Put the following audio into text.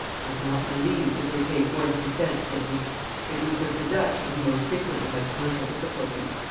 "I cannot believe that they pay forty per cent.," said he. It was with the Dutch that he most frequently had commercial difficulties.